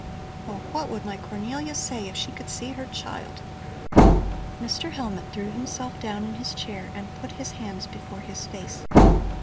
Oh, what would my Cornelia say if she could see her child?" Mr. Hellmut threw himself down in his chair and put his hands before his face.